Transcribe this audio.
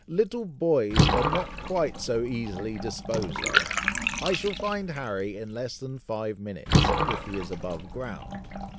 little boys are not quite so easily disposed of. I shall find Harry in less than five minutes, if he is above ground."